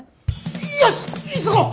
よし急ごう！